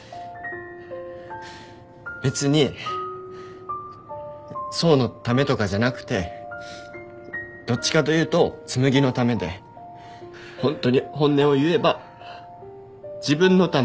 別に想のためとかじゃなくてどっちかというと紬のためでホントに本音を言えば自分のため。